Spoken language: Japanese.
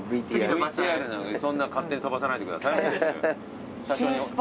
ＶＴＲなんかそんな勝手に飛ばさないでください。